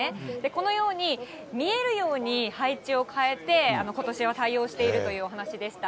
このように、見えるように配置を変えて、ことしは対応しているというお話でした。